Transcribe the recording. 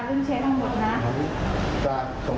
ในกลุ่มแชร์ว่าป้าขอยุติการอ่าการเริ่มแชร์ทั้งหมดน่ะ